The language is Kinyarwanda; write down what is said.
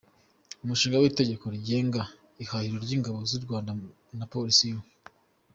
Umushinga w’Itegeko rigenga Ihahiro ry’Ingabo z’u Rwanda na Polisi y’u